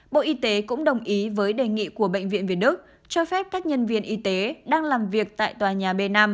bộ y tế cũng đồng ý với đề nghị của bệnh viện việt đức cho phép các nhân viên y tế đang làm việc tại tòa nhà b năm